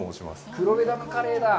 「黒部ダムカレー」だ。